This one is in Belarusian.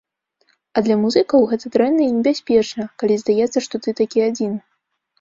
А для музыкаў гэта дрэнна і небяспечна, калі здаецца, што ты такі адзін.